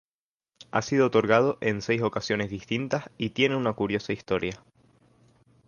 Ha sido otorgado en seis ocasiones distintas, y tiene una curiosa historia.